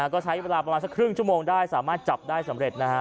ก็ใช้เวลาประมาณสักครึ่งชั่วโมงได้สามารถจับได้สำเร็จนะฮะ